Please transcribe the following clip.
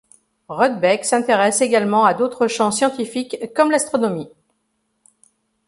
Rudbeck s’intéresse également à d’autres champs scientifiques comme l’astronomie.